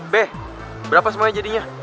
be berapa semuanya jadinya